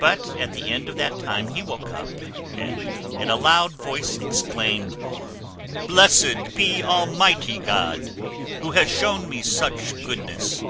But at the end of that time he woke up, and in a loud voice exclaimed, "Blessed be Almighty God, who has shown me such goodness.